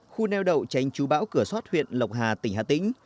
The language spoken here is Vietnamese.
khu neo đậu tránh chú bão cửa sót huyện lộc hà tỉnh hà tĩnh